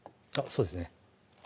そうです